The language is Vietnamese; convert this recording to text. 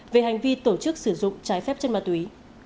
về hành vi tổ chức sử dụng trái phép chất ma túy